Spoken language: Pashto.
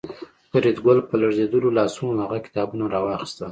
فریدګل په لړزېدلو لاسونو هغه کتابونه راواخیستل